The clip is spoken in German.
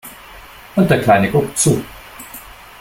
Und der Kleine guckt zu.